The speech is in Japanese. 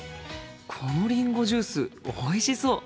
このりんごジュースおいしそう。